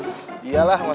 kok punya tulang kak